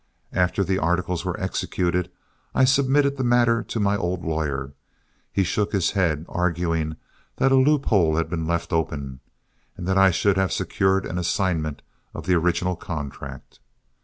After the articles were executed, I submitted the matter to my old lawyer; he shook his head, arguing that a loophole had been left open, and that I should have secured an assignment of the original contract.